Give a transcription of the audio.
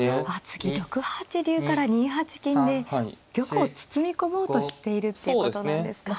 次６八竜から２八金で玉を包み込もうとしているっていうことなんですか。